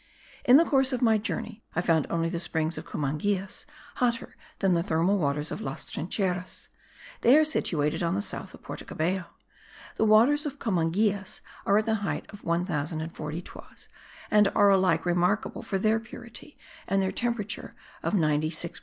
In the course of my journey I found only the springs of Cumangillas hotter than the thermal waters of Las Trincheras: they are situated on the south of Porto Cabello. The waters of Comangillas are at the height of 1040 toises and are alike remarkable for their purity and their temperature of 96.3 degrees centigrade.)